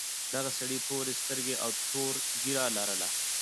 دغه سړي تورې سترګې او تور ږیره لرله.